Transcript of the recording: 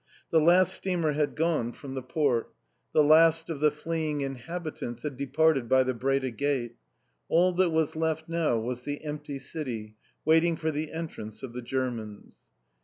The last steamer had gone from the Port. The last of the fleeing inhabitants had departed by the Breda Gate. All that was left now was the empty city, waiting for the entrance of the Germans.